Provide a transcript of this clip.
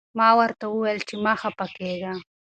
ما ورته وویل چې مه خفه کېږه.